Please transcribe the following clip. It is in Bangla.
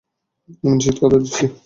আমি নিশ্চিত, কথা দিচ্ছি।